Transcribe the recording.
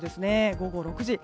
午後６時。